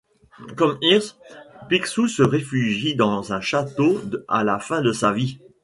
Comme Hearst, Picsou se réfugie dans un château à la fin de sa vie.